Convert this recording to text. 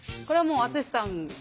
これはもう篤さん